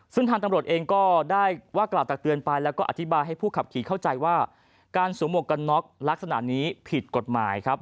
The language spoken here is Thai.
ซึ่งทางตำรวจเองก็ได้ว่ากล่าวตักเตือนไปแล้วก็อธิบายให้ผู้ขับขี่เข้าใจว่าการสวมหมวกกันน็อกลักษณะนี้ผิดกฎหมายครับ